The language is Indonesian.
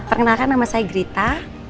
perkenalkan nama saya grita